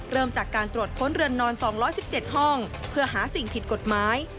เริ่มจากการตรวจค้นเรือนนอน๒๑๗ห้องเพื่อหาสิ่งผิดกฎหมาย